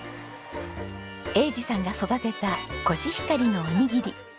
栄治さんが育てたコシヒカリのおにぎり。